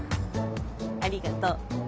ありがとう。